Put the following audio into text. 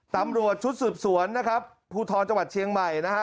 ตำรวจชุดสืบสวนนะครับภูทรจังหวัดเชียงใหม่นะฮะ